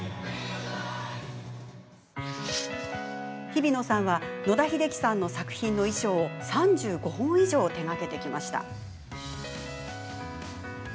ひびのさんは野田秀樹さんの作品の衣装を３５本以上、手がけてきました。